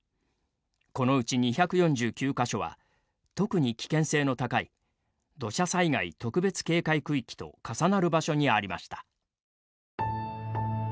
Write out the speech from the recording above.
このうち２４９か所は特に危険性の高い土砂災害特別警戒区域と重なる場所にありました。